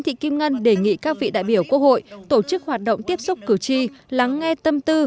thị kim ngân đề nghị các vị đại biểu quốc hội tổ chức hoạt động tiếp xúc cử tri lắng nghe tâm tư